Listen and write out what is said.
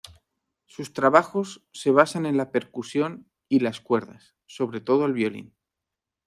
Sus trabajos se basan en la percusión y las cuerdas, sobre todo el violín.